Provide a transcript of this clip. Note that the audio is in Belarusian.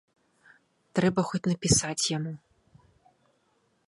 Трэба хоць напісаць яму.